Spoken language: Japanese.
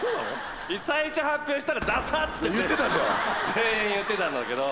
全員言ってたんだけど。